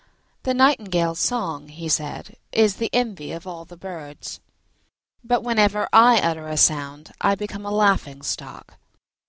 "The nightingale's song," said he, "is the envy of all the birds; but whenever I utter a sound I become a laughing stock."